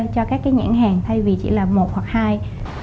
cho các cái nhãn hàng thay vì chỉ là một hoặc hai